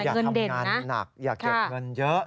อย่าทำงานหนักอย่าเก็บเงินเยอะ